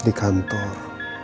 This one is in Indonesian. ketika dia masih di rumah